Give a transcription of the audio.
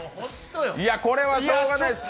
これはしょうがないです